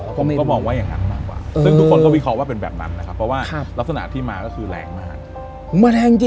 ผมก็มองว่าอย่างนั้นมากกว่าซึ่งทุกคนก็วิเคราะห์ว่าเป็นแบบนั้นนะครับเพราะว่ารักษณะที่มาก็คือแรงมาก